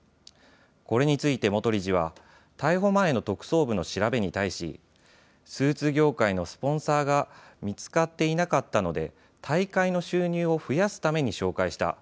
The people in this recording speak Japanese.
これについて元理事は逮捕前の特捜部の調べに対しスーツ業界のスポンサーが見つかっていなかったので大会の収入を増やすために紹介した。